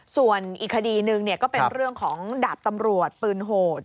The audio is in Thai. ส่วนอีกคดีหนึ่งก็เป็นเรื่องของดาบตำรวจปืนโหด